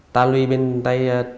ta luy bên tay